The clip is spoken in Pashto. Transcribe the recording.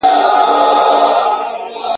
زه ښکاري یم زه به دام څنګه پلورمه !.